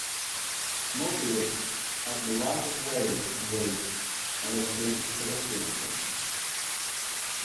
Motorists have the right of way on roads unless there is a pedestrian crossing.